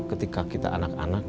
ketika kita anak anak